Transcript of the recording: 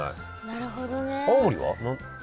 なるほどね。